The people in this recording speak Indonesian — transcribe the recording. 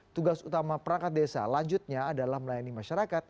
tugas utama perangkat desa lanjutnya adalah melayani masyarakat